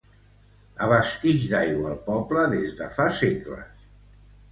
Abastix d'aigua al poble des de fa segles.